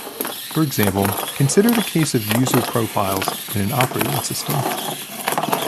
For example, consider the case of user profiles in an operating system.